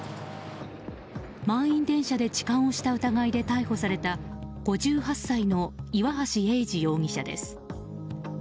満員電車で痴漢をした疑いで逮捕された５８歳の岩橋英治容疑者です。